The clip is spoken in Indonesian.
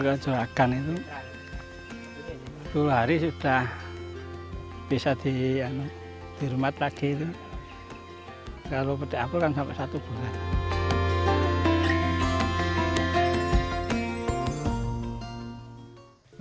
di juragan itu dua hari sudah bisa di di rumah pagi itu kalau pedek aku kan sampai satu bulan